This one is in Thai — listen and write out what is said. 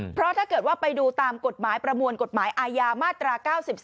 เพราะถ้าเกิดว่าไปดูตามกฎหมายประมวลกฎหมายอาญามาตรา๙๒